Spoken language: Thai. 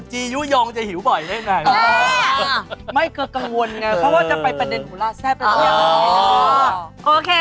หูเบาแม่